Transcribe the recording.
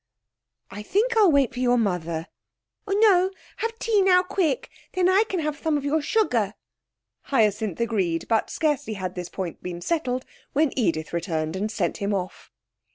'I think I'll wait for your mother.' 'Oh, no; have tea now, quick. Then I can take some of your sugar.' Hyacinth agreed; but scarcely had this point been settled when Edith returned and sent him off.